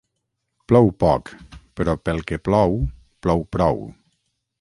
Plou poc però pel que plou plou prou